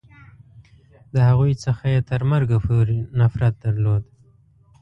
د هغوی څخه یې تر مرګه پورې نفرت درلود.